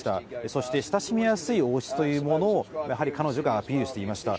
そして親しみやすい王室というものを、やはり彼女がアピールしていました。